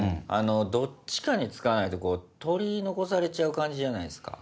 どっちかにつかないと取り残されちゃう感じじゃないですか？